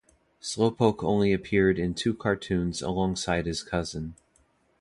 Slowpoke only appeared in two cartoons alongside his cousin.